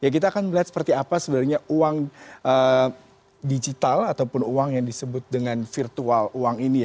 kita akan melihat seperti apa sebenarnya uang digital ataupun uang yang disebut dengan virtual uang ini